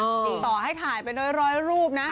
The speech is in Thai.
จริงต่อให้ถ่ายไปน้อย๑๐๐รูปนะ